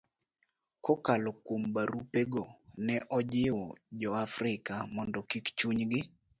Kokalo kuom barupego, ne ojiwo Jo-Afrika mondo kik chunygi